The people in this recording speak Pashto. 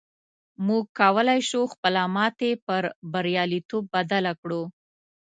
موږ کولی شو خپله ماتې پر برياليتوب بدله کړو.